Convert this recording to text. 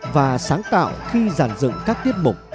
và sáng tạo khi giàn dựng các tiết mục